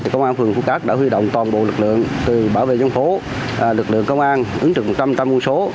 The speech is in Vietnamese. công an phường phú cát đã huy động toàn bộ lực lượng từ bảo vệ dân phố lực lượng công an ứng trực tâm tâm quân số